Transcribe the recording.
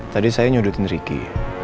tadi saya nyudutin ricky